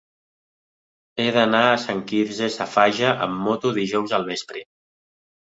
He d'anar a Sant Quirze Safaja amb moto dijous al vespre.